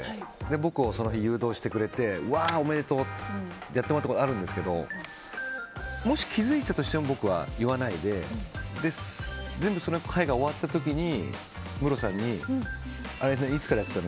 僕をどこかに誘導しておめでとう！ってやってもらったことあるんですけどもし気づいたとしても僕は言わないで全部その会が、終わった時にあれいつからやってたの？